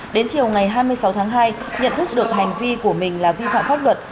đến chiều ngày hai mươi sáu tháng hai nhận thức được hành vi của mình là vi phạm pháp luật